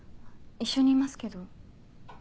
一緒にいますけど。